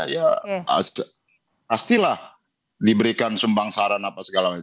ya pastilah diberikan sumpang saran apa segala macam